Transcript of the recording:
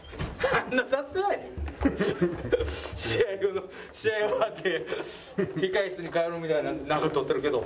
試合後の試合終わって控室に帰るみたいななんか撮ってるけど。